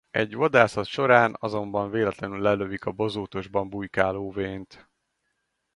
Egy vadászat során azonban véletlenül lelövik a bozótosban bujkáló Vane-t.